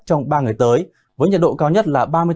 trong ba ngày tới với nhật độ cao nhất là